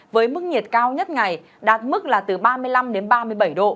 với mức nhiệt cao nhất ngày đạt mức là từ ba mươi năm đến ba mươi bảy độ